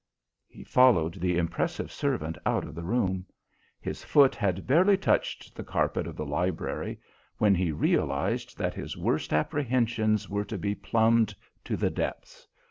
He followed the impressive servant out of the room. His foot had barely touched the carpet of the library when he realized that his worst apprehensions were to be plumbed to the depths.